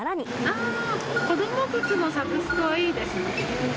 あー、子ども靴のサブスクはいいですね。